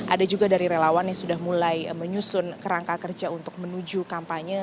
ada juga dari relawan yang sudah mulai menyusun kerangka kerja untuk menuju kampanye